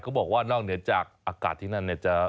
ก็บอกว่านอกเหนือจากอากาศที่นั่นจะ